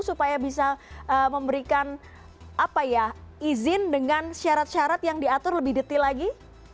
supaya bisa memberikan izin dengan syarat syarat yang diatur lebih detail lagi